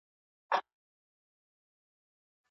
لقمانه ډېر به راوړې د خپل عقل مرهمونه